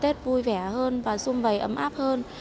tết vui vẻ hơn và xung vầy ấm áp hơn